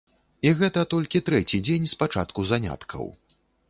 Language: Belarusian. І гэта толькі трэці дзень з пачатку заняткаў.